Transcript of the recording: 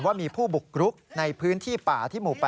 ว่ามีผู้บุกรุกในพื้นที่ป่าที่หมู่๘